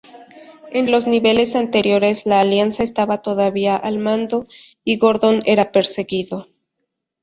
En los niveles anteriores, la Alianza estaba todavía al mando, y Gordon era perseguido.